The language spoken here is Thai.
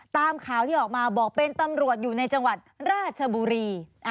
ตามข่าวที่ออกมาบอกเป็นตำรวจอยู่ในจังหวัดราชบุรี